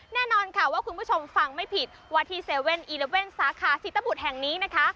แน่นอนค่ะว่าคุณผู้ชมฟังไม่ผิดว่าที่๗๑๑สาขาศิตบุตรแห่งนี้นะคะ